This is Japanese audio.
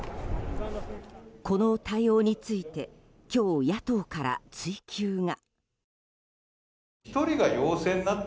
この対応について今日、野党から追及が。